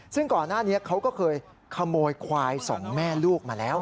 ซึ่งก่อนหน้านี้เขาก็เคยขโมยควายสองแม่ลูกมาแล้ว